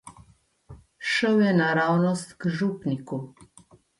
Šel je naravnost k župniku.